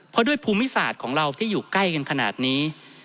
เพราะด้วยภูมิศาสตร์ของเราที่อยู่ใกล้กันขนาดนี้